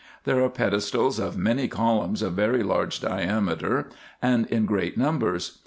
There are pedestals of many columns of very large diameter and in great numbers.